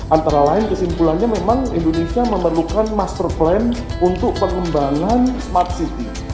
antara lain kesimpulannya memang indonesia memerlukan master plan untuk pengembangan smart city